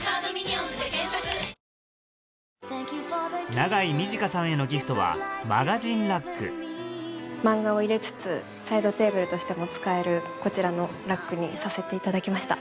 長井短さんへのギフトはマガジンラック漫画を入れつつサイドテーブルとしても使えるこちらのラックにさせていただきました。